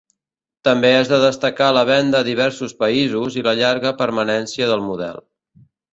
També és de destacar la venda a diversos països i la llarga permanència del model.